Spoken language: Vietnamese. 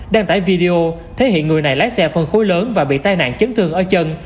đăng tải video thể hiện người này lái xe phân khối lớn và bị tai nạn chấn thương ở chân